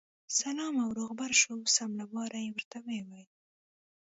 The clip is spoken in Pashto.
سلا او روغبړ شو، سم له واره یې ورته وویل.